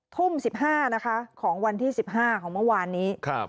ทุ่มสิบห้านะคะของวันที่สิบห้าของเมื่อวานนี้ครับ